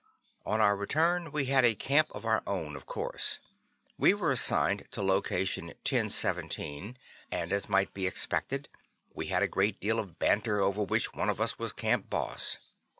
On our return, we had a camp of our own, of course. We were assigned to location 1017. And as might be expected, we had a great deal of banter over which one of us was Camp Boss.